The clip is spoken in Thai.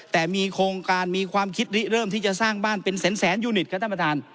แต่มีโครงการมีความคิดเริ่มที่จะสร้างบ้านเป็นแสนยูนิตครับท่านประธาน